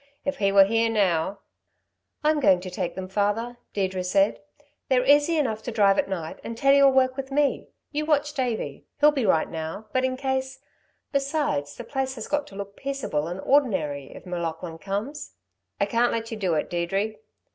"If he were here now " "I'm going to take them, father," Deirdre said. "They're easy enough to drive at night and Teddy'll work with me. You watch Davey. He'll be right now, but in case Besides the place has got to look peaceable and ordinary if M'Laughlin comes." "I can't let you do it, Deirdre."